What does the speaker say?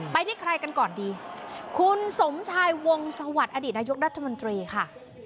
ไปที่ใครกันก่อนดีคุณสมชายวงสวัสดิ์อดีตนายกรัฐมนตรีค่ะ